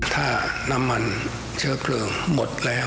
ถ้าน้ำมันเชื้อเพลิงหมดแล้ว